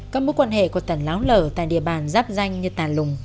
các mối quan hệ của tàn láo lở tại địa bàn giáp danh như tà lùng